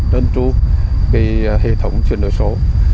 đơn tru hệ thống chuyển đổi số